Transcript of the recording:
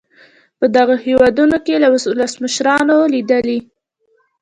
په دغو هېوادونو کې یې له ولسمشرانو لیدلي.